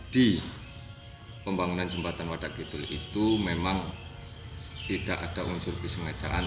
di pembangunan jembatan wadakidul itu memang tidak ada unsur kesengajaan